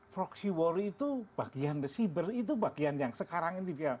proxy wary itu bagian the cyber itu bagian yang sekarang ini